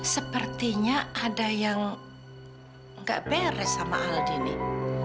sepertinya ada yang gak beres sama aldi nih